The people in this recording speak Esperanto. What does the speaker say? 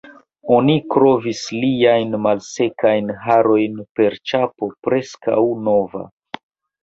Oni kovris liajn malsekajn harojn per ĉapo preskaŭ nova.